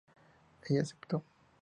Ella aceptó.